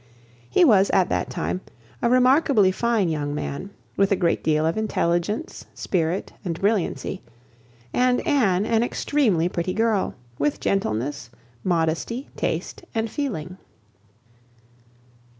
He was, at that time, a remarkably fine young man, with a great deal of intelligence, spirit, and brilliancy; and Anne an extremely pretty girl, with gentleness, modesty, taste, and feeling.